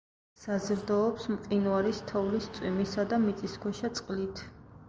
საზრდოობს მყინვარის, თოვლის, წვიმისა და მიწისქვეშა წყლით.